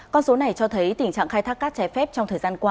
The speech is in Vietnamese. con số này cho thấy tình trạng khai thác cát trái phép trong thời gian qua